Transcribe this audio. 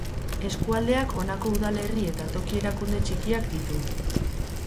Eskualdeak honako udalerri eta toki-erakunde txikiak ditu.